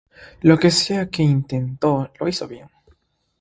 Lo que sea que intentó, lo hizo bien.